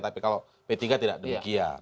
tapi kalau p tiga tidak demikian